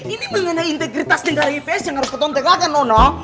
ini mengenai integritas negara ips yang harus ketontekan kan nona